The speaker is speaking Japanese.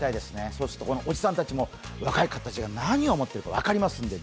そうするとおじさんたちも若い人たちが何を思っているか分かるので。